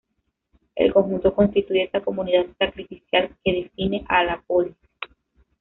El conjunto constituye esa comunidad sacrificial que define a la polis.